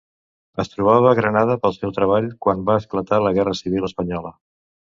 Es trobava a Granada pel seu treball quan va esclatar la Guerra Civil Espanyola.